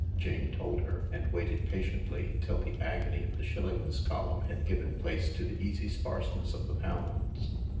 " Jane told her, and waited patiently till the agony of the shillings column hatd given place to the easy sparsenesS of thepounds.